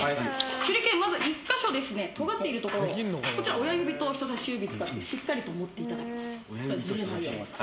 手裏剣、まず１か所とがっているところ親指と人差し指を使ってしっかり持っていただきます。